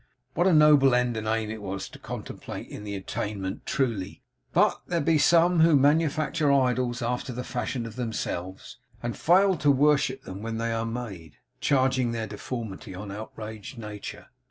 What a noble end and aim it was to contemplate in the attainment truly! But there be some who manufacture idols after the fashion of themselves, and fail to worship them when they are made; charging their deformity on outraged nature.